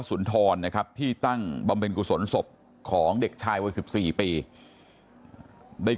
สุนทรนะครับที่ตั้งบำเพ็ญกุศลศพของเด็กชายวัย๑๔ปีได้